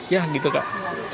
ya gitu kak